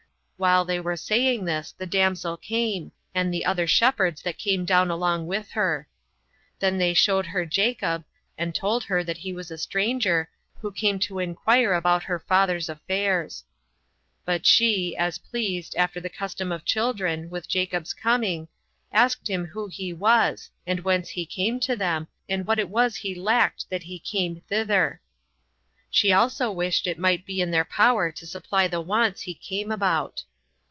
While they were saying this the damsel came, and the other shepherds that came down along with her. Then they showed her Jacob, and told her that he was a stranger, who came to inquire about her father's affairs. But she, as pleased, after the custom of children, with Jacob's coming, asked him who he was, and whence he came to them, and what it was he lacked that he came thither. She also wished it might be in their power to supply the wants he came about.